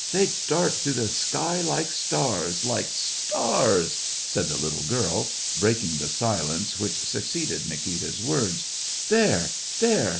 They dart through the sky like stars, like stars !" said the little girl, breaking the silence which succeeded Nikita's words. " There, there